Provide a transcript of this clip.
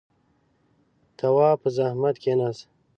تواب په زحمت کېناست.